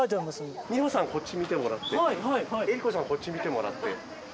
美穂さんこっち見てもらって江里子さんこっち見てもらって。